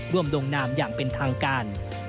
ลงนามอย่างเป็นทางการ